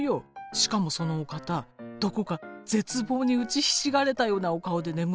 しかもそのお方どこか絶望に打ちひしがれたようなお顔で眠っていらしたのよ。